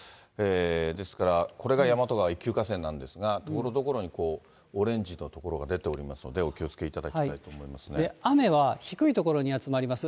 ですから、これが大和川、一級河川なんですが、ところどころにオレンジの所が出ておりますのでお気をつけいただ雨は低い所に集まります。